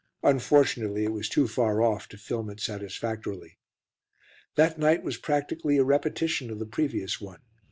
Unfortunately, it was too far off to film it satisfactorily. That night was practically a repetition of the previous one.